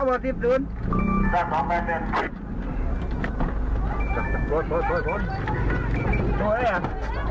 ให้ดูคลิปบางชั่วบางตอน